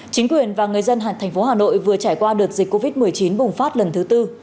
chính quyền và người dân thành phố hà nội vừa trải qua đợt dịch covid một mươi chín bùng phát lần thứ tư